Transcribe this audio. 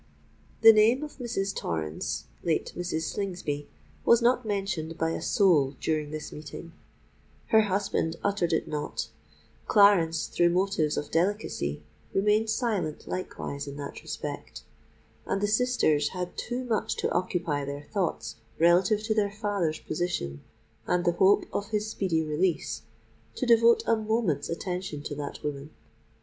The name of Mrs. Torrens—late Mrs. Slingsby—was not mentioned by a soul during this meeting: her husband uttered it not—Clarence, through motives of delicacy, remained silent likewise in that respect—and the sisters had too much to occupy their thoughts relative to their father's position and the hope of his speedy release, to devote a moment's attention to that woman.